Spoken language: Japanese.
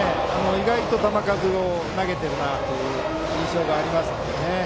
意外と球数を投げている印象がありますので。